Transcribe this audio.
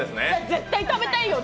絶対食べたいよ！